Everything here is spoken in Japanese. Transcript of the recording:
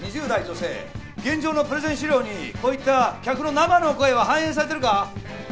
２０代女性」現状のプレゼン資料にこういった客の生の声は反映されてるか？